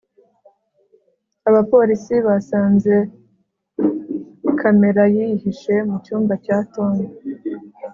abapolisi basanze kamera yihishe mu cyumba cya tom